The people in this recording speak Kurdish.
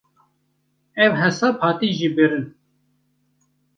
Ev hesab hate jêbirin.